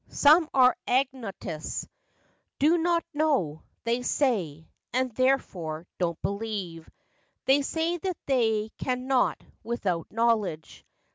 Some are 'Agnostics,' ' Do not know,' they say, and therefore Don't believe. They say they can not Without knowledge.